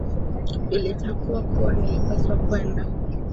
Nilitambua kuwa nilipaswa kwenda.